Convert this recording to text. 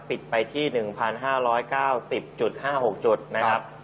ปิดไปที่๑๕๙๐๕๖จุดนะครับ